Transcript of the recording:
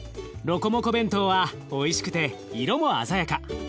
ロコモコ弁当はおいしくて色も鮮やか。